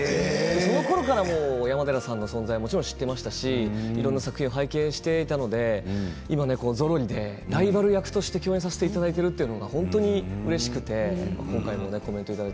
そのころから山寺さんの存在はもちろん知っていましたしいろんな作品を拝見していたので今「ゾロリ」でライバル役として共演させていただいているのが本当にうれしくて今回もコメントいただき